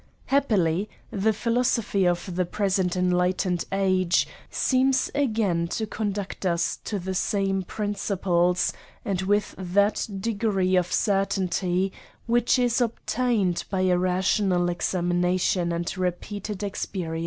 Happily the philosophy of the present enlightened age seems again to conduct us to the same prin ciples, and with that degree of certainty which is obtained by a rational cxamiaation and repeated experience.